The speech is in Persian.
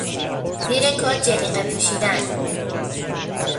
زیر کت جلیقه پوشیدن